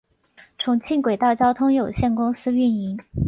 重庆轨道交通有限公司运营。